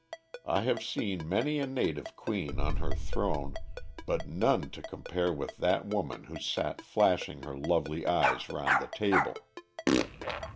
I have seen many a native queen on her throne, but none to compare with that woman who sat flashing her lovely eyes round the table.